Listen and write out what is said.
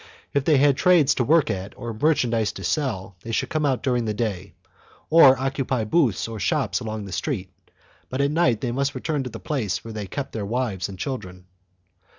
If they had trades to work at or merchandise to sell they could come out during the day, or occupy booths or shops along the streets, but at night they must return to the place where they kept their wives and children.